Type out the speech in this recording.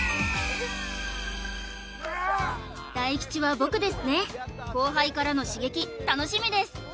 大吉は僕ですね後輩からの刺激楽しみです